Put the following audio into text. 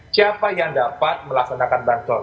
siapa yang dapat melaksanakan bahan sos